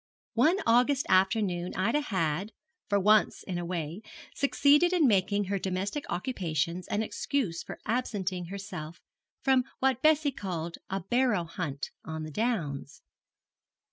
One August afternoon Ida had, for once in a way, succeeded in making her domestic occupations an excuse for absenting herself from what Bessie called a 'barrow hunt' on the downs.